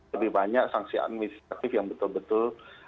lebih banyak sanksi administratif yang betul betul